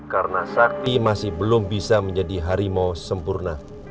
karena sakti masih belum bisa menjadi harimau sempurna